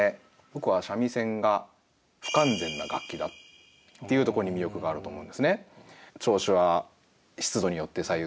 僕は三味線が不完全な楽器だっていうところに魅力があると思うんですね。